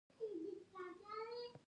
که نارینه سترګه ده ښځه يې دید دی.